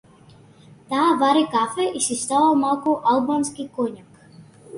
Таа вари кафе и си става малку албански коњак.